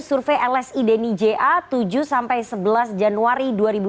survei lsi deni ja tujuh sampai sebelas januari dua ribu dua puluh